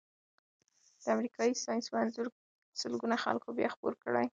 د امریکايي ساینسپوه انځور سلګونو خلکو بیا خپور کړی.